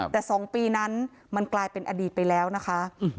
แต่๒ปีนั้นมันกลายเป็นอดีตไปแล้วนะคะ